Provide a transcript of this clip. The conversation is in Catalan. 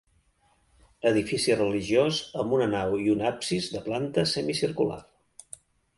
Edifici religiós amb una nau i un absis de planta semicircular.